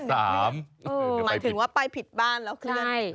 หมายถึงว่าไปผิดบ้านไปเพื่อน